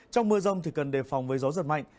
trong mưa rông thì cần đề phòng với gió giật mạnh